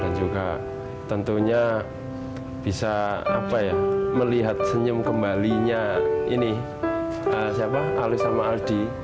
dan juga tentunya bisa melihat senyum kembalinya ini siapa alif sama vivaldi